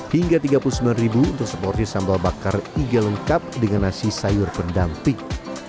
hingga rp tiga puluh sembilan untuk seporsi sambal bakar iga lengkap dengan nasi sayur pendamping